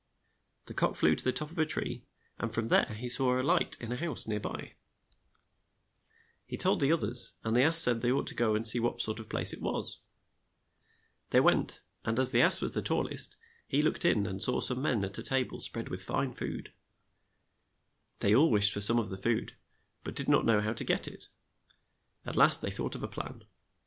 The cock flew to the top of a tree, and from there he saw a light in a house near by. 56 THE TOWN MUSICIANS OF BREMEN He told the oth ers, and the ass said they ought to go and see what sort of place it was. They went, and as the ass was the tall est, he looked in and saw some men at a ta ble spread with fine food. They all wished for some of the food, but did not know how to get it. At last they thought of a plan.